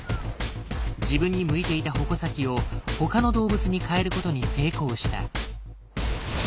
自分に向いていた矛先を他の動物に変えることに成功した。